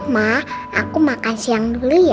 mak aku makan siang dulu ya